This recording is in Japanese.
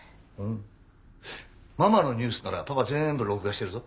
ママのニュースならパパ全部録画してるぞ。